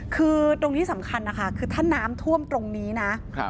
คือตรงนี้สำคัญนะคะคือถ้าน้ำท่วมตรงนี้นะ